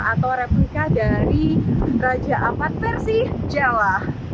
atau replika dari raja ampat versi jawa